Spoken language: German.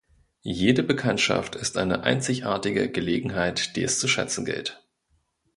Jede Bekanntschaft ist eine einzigartige Gelegenheit, die es zu schätzen gilt.